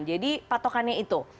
jadi patokannya itu